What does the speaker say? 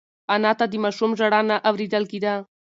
انا ته د ماشوم ژړا نه اورېدل کېده.